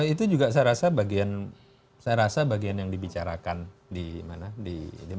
itu juga saya rasa bagian yang dibicarakan di mekah itu